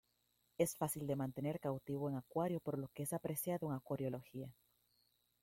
Es fácil de mantener cautivo en acuario por lo que es apreciado en acuariología.